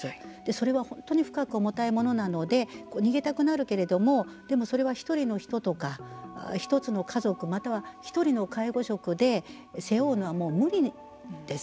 それは本当に深く重たいものなので逃げたくなるけれどもでも、それは１人の人とか一つの家族、または１人の介護職で背負うのはもう無理です。